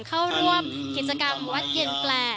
เข้าร่วมกิจกรรมวัดเย็นแปล